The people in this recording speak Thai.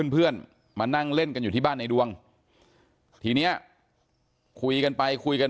เพื่อนมานั่งเล่นกันอยู่ที่บ้านในดวงทีเนี้ยคุยกันไปคุยกัน